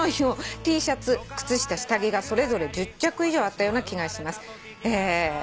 「Ｔシャツ靴下下着がそれぞれ１０着以上あったような気がします」